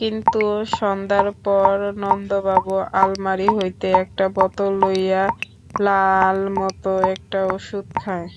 কিন্তু সন্ধ্যার পরে নন্দবাবু আলমারি হইতে একটা বোতল লইয়া লাল-মতো একটা ঔষধ খায়।